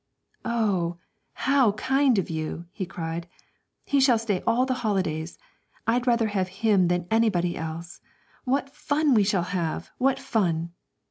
'Oh, how kind of you!' he cried; 'he shall stay all the holidays. I'd rather have him than anybody else. What fun we shall have what fun!'